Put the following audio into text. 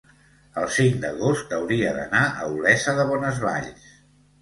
el cinc d'agost hauria d'anar a Olesa de Bonesvalls.